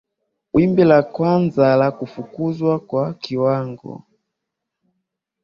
wimbi la kwanza la kufukuzwa kwa kiwango